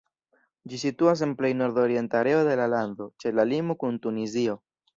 Ĝi situas en plej nordorienta areo de la lando, ĉe la limo kun Tunizio.